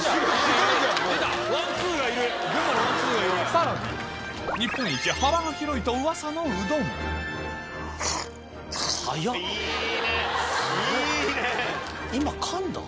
さらに日本一幅が広いとうわさのうどんいいねいいね！